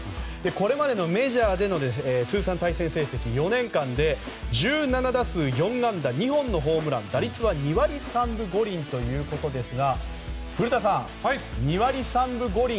これまでのメジャーでの通算対戦成績４年間で１７打数４安打２本のホームラン打率は２割３分５厘ということですが古田さん、２割３分５厘